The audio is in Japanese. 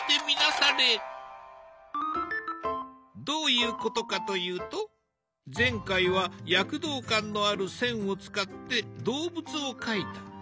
どういうことかと言うと前回は躍動感のある線を使って動物を描いた。